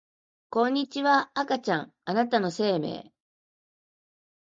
こんにちは赤ちゃんあなたの生命